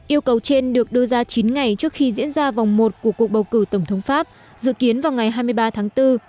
yêu cầu trên được đưa ra chín ngày trước khi diễn ra vòng một của cuộc bầu cử tổng thống pháp dự kiến vào ngày hai mươi ba tháng bốn